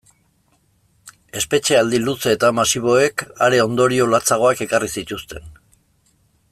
Espetxealdi luze eta masiboek are ondorio latzagoak ekarri zituzten.